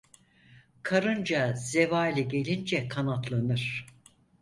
Karınca zevali gelince kanatlanır.